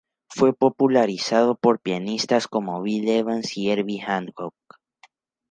Fue popularizado por pianistas como Bill Evans y Herbie Hancock.